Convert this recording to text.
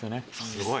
すごい！